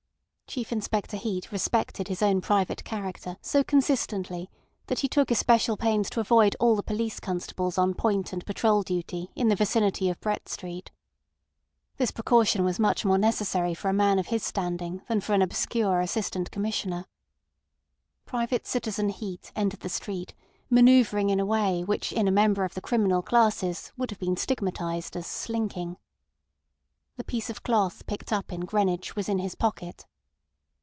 Chief Inspector Heat respected his own private character so consistently that he took especial pains to avoid all the police constables on point and patrol duty in the vicinity of Brett Street. This precaution was much more necessary for a man of his standing than for an obscure Assistant Commissioner. Private Citizen Heat entered the street, manoeuvring in a way which in a member of the criminal classes would have been stigmatised as slinking. The piece of cloth picked up in Greenwich was in his pocket.